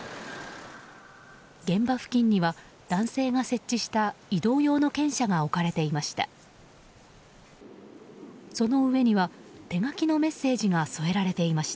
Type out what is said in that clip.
現場付近には男性が設置した移動用の犬舎が置かれていました。